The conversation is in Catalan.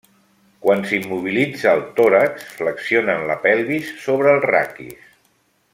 Quan s'immobilitza el tòrax, flexionen la pelvis sobre el raquis.